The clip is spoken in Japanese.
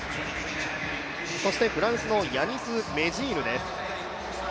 そしてフランスのヤニス・メジーヌです。